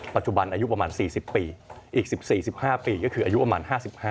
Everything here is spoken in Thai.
ปัจจุบันอายุประมาณ๔๐ปีอีก๑๔๑๕ปีก็คืออายุประมาณ๕๕